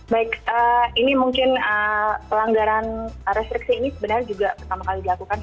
baik ini mungkin pelanggaran restriksi ini sebenarnya juga pertama kali dilakukan